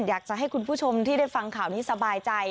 อยากจะให้คุณผู้ชมที่ได้ฟังข่าวนี้สบายใจ